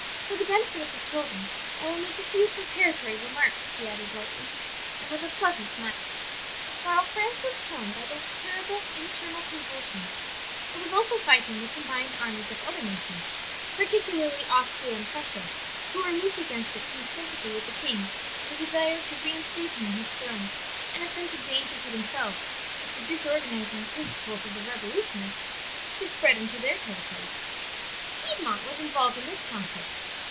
"For the benefit of the children I will make a few preparatory remarks," she added, lightly, and with a pleasant smile. "While France was torn by those terrible Internal convulsions, it was also fighting the combined armies of other nations, particularly Austria and Prussia, who were moved against it from sympathy with the king, and a desire to reinstate him on his throne, and a sense of danger to themselves if the disorganizing principles of the revolutionists should spread into their territories. "Piedmont was involved in this conflict.